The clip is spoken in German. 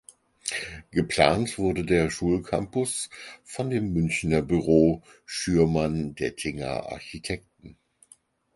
Geplant wurde der Schulcampus von dem Münchner Büro "Schürmann Dettinger Architekten".